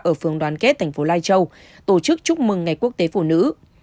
ở phường đoàn kết tp lai châu tổ chức chúc mừng ngày quốc tế phụ nữ